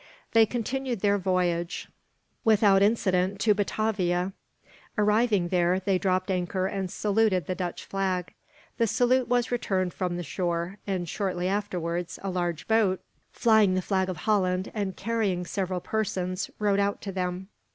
They continued their voyage, without incident, to Batavia. Arriving there, they dropped anchor and saluted the Dutch flag. The salute was returned from the shore; and, shortly afterwards a large boat, flying the flag of Holland and carrying several persons, rowed out to them.